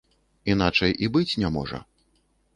Іначай і быць не можа.